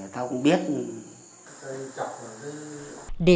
tưởng tao không biết